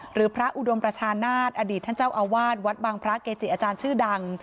หรือพระอุดมประชานาศอดีตท่านเจ้าอาวาสวัดบังพระเกจิอาจารย์ชื่อดัง